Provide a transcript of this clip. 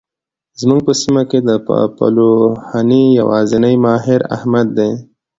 زموږ په سیمه کې د پلوهنې يوازنی ماهر؛ احمد دی.